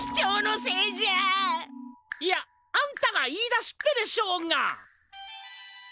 いやあんたが言いだしっぺでしょうが！